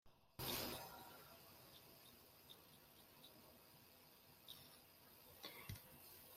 Ẓer-iyi-d abugaṭu-iḍen.